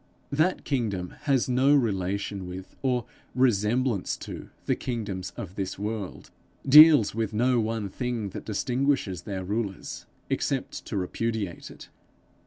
That kingdom has no relation with or resemblance to the kingdoms of this world, deals with no one thing that distinguishes their rulers, except to repudiate it.